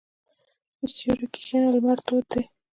په سیوري کښېنه، لمر تود دی.